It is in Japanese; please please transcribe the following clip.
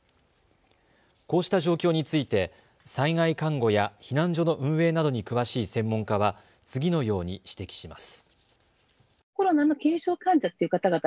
こうした状況について災害看護や避難所の運営などに詳しい専門家は次のように指摘します。